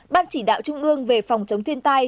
chín ban chỉ đạo trung ương về phòng chống dịch